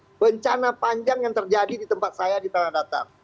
ada bencana panjang yang terjadi di tempat saya di tanah datar